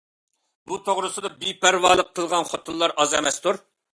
بۇ توغرىسىدا بىپەرۋالىق قىلغان خوتۇنلار ئاز ئەمەستۇر.